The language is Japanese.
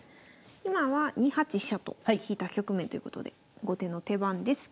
今は２八飛車と引いた局面ということで後手の手番です。